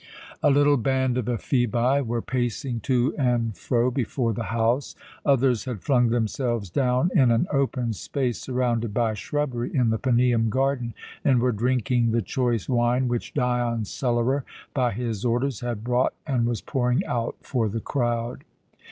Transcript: A little band of Ephebi were pacing to and fro before the house. Others had flung themselves down in an open space surrounded by shrubbery in the Paneum garden, and were drinking the choice wine which Dion's cellarer, by his orders, had brought and was pouring out for the crowd.